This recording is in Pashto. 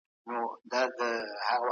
ایا ملي بڼوال وچ زردالو پروسس کوي؟